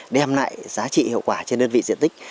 đem lại giá trị hiệu quả trên đơn vị diện tích